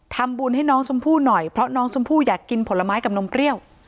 ทำบุญให้น้องชมพู่หน่อยเพราะน้องชมพู่อยากกินผลไม้กับนมเปรี้ยว